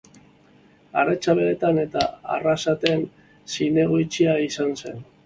Aretxabaletan eta Arrasaten zinegotzia izan zen.